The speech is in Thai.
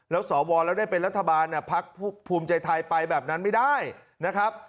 แล้วสวแล้วได้เป็นรัฐบาลพักภูมิใจไทยไปแบบนั้นไม่ได้นะครับ